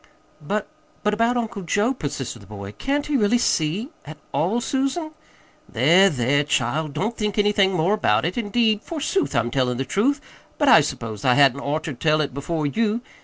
"But but about Uncle Joe," persisted the boy. "Can't he really see at all, Susan?" "There, there, child, don't think anything more about it. Indeed, forsooth, I'm tellin' the truth, but I s'pose I hadn't oughter told it before you.